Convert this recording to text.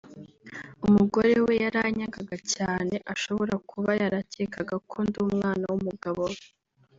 umugore we yaranyangaga cyane […] Ashobora kuba yarakekaga ko ndi umwana w’umugabo we